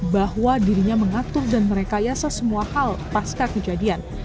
bahwa dirinya mengatur dan merekayasa semua hal pasca kejadian